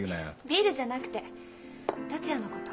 ビールじゃなくて達也のこと。